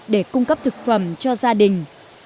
để cung cấp thực phẩm cho gia đình